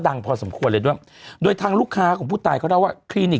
ดังพอสมควรเลยด้วยโดยทางลูกค้าของผู้ตายก็เราว่าคอลลี่